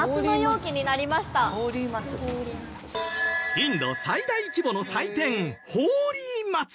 インド最大規模の祭典